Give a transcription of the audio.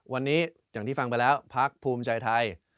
วันนี้อย่างที่ฟังไปแล้วพักภูมิใจไทย